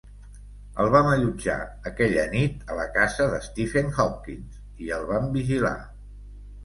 El vam allotjar aquella nit a la casa de Stephen Hopkins i el vam vigilar.